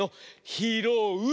「ひろう」！